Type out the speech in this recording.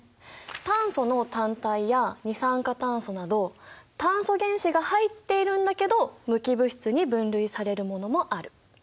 炭素の単体や二酸化炭素など炭素原子が入っているんだけど無機物質に分類されるものもある。